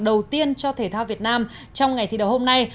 đầu tiên cho thể thao việt nam trong ngày thi đấu hôm nay